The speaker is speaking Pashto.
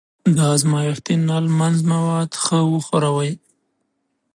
د ازمایښتي نل منځ مواد ښه وښوروئ.